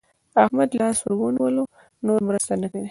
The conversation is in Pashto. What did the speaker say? احمد لاس ور ونيول؛ نور مرسته نه کوي.